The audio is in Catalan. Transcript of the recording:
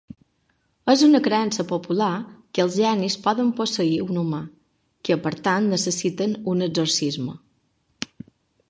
És una creença popular que els genis poden posseir un humà, que per tant necessiten un exorcisme.